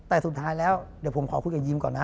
แต่สุดท้ายแล้วเดี๋ยวผมขอคุยกับยิมก่อนนะ